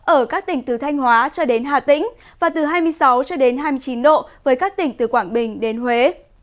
ở các tỉnh từ thanh hóa cho đến hà tĩnh và từ hai mươi sáu hai mươi chín độ với các tỉnh từ quảng bình đến huế